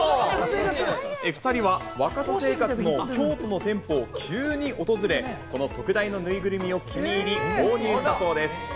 ２人はわかさ生活の京都の店舗を急に訪れ、この特大のぬいぐるみを気に入り、購入したそうです。